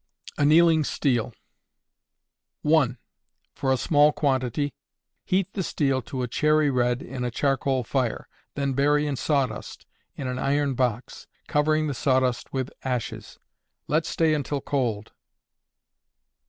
Annealing Steel. 1. For a small quantity. Heat the steel to a cherry red in a charcoal fire, then bury in sawdust, in an iron box, covering the sawdust with ashes. Let stay until cold.